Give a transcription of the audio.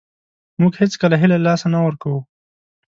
موږ هېڅکله هیله له لاسه نه ورکوو .